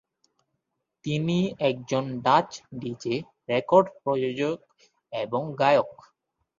তিনি একজন Dutch DJ, record প্রযোজক এবং গায়ক।